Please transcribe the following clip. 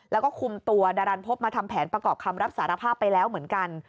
แล้วก็คุมตัวดารันพบมาทำแผนประกอบคำรับสารภาพไปแล้วเหมือนกัน